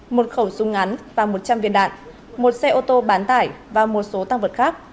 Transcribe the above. một khẩu súng ngắn và một trăm linh viên đạn một xe ô tô bán tải và một số tăng vật khác